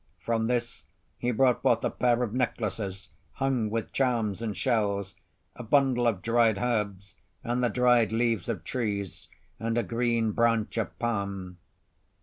From this he brought forth a pair of necklaces hung with charms and shells, a bundle of dried herbs, and the dried leaves of trees, and a green branch of palm.